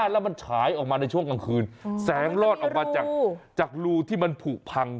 แล้วมันฉายออกมาในช่วงกลางคืนแสงลอดออกมาจากรูที่มันผูกพัง